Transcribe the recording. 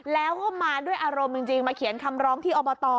แล้วก็มาด้วยอารมณ์จริงมาเขียนคำร้องที่อบต